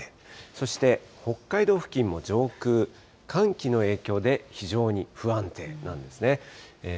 そして、北海道付近も上空、寒気の影響で非常に不安定なんですね。